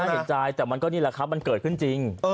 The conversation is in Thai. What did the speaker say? นี่แหละครับมันเกิดถึงจริง